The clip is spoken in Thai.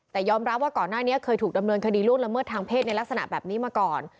แต่ยอมรับว่าก่อนหน้านี้เคยถูกดำเนินคดีล่วงละเมิดทางเพศในลักษณะแบบนี้มาก่อน